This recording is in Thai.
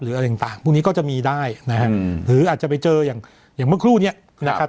อะไรต่างพวกนี้ก็จะมีได้นะฮะหรืออาจจะไปเจออย่างอย่างเมื่อครู่เนี้ยนะครับ